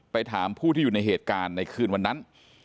ถามผู้ที่อยู่ในเหตุการณ์ในคืนวันนั้น